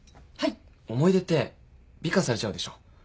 思い出って美化されちゃうでしょ？